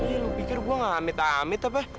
betul ya lu pikir gua gak amit amit apa